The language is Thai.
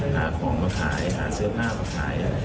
หาของมาขายหาเสื้อผ้ามาขาย